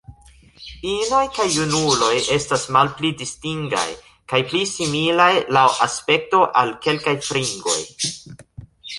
Inoj kaj junuloj estas malpli distingaj, kaj pli similaj laŭ aspekto al kelkaj fringoj.